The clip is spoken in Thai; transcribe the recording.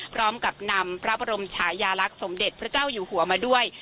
พร้อมกับนำพระบรมชายาลักษณ์สมเด็จพระเจ้าอยู่หัวมาด้วย